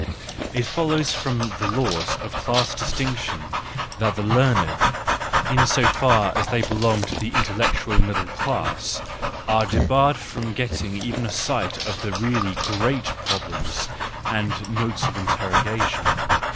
—It follows from the laws of class distinction that the learned, in so far as they belong to the intellectual middle class, are debarred from getting even a sight of the really great problems and notes of interrogation.